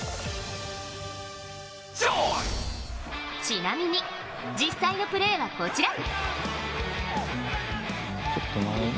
ちなみに実際のプレーはこちら。